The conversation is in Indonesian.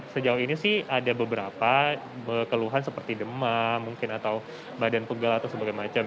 sejauh ini sih ada beberapa keluhan seperti demam mungkin atau badan pegal atau sebagainya